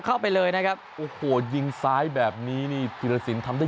เข้าไปเลยนะครับโอ้โหยิงซ้ายแบบนี้นี่ธีรสินทำได้